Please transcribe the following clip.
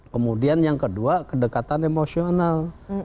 kemudian yang kedua kedekatan emosional